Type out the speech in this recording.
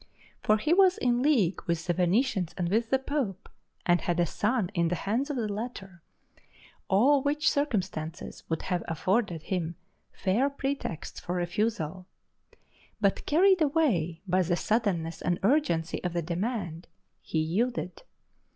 For he was in league with the Venetians and with the Pope, and had a son in the hands of the latter; all which circumstances would have afforded him fair pretexts for refusal. But carried away by the suddenness and urgency of the demand, he yielded.